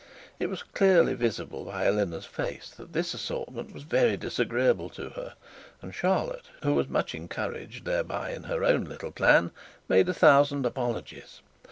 It was clearly visible to Eleanor's face that this assortment was very disagreeable to her; and Charlotte, who was much encouraged thereby in her own little plan, made a thousand apologies.